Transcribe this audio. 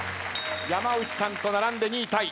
山内さんと並んで２位タイ。